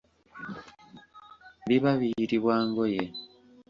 Biba biyitibwa ngoye.